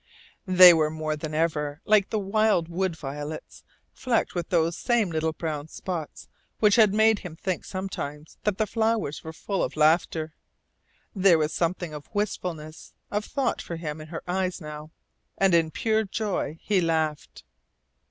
They were more than ever like the wild wood violets, flecked with those same little brown spots which had made him think sometimes that the flowers were full of laughter. There was something of wistfulness, of thought for him in her eyes now, and in pure joy he laughed.